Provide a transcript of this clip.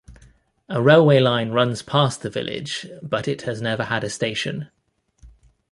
A railway line runs past the village but it has never had a station.